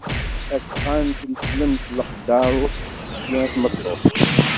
Asɣan n tneslemt leqder ur t-yefki i tmeṭṭut.